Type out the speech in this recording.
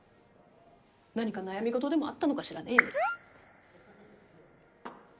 何か悩み事でもあったのかしらねぇ。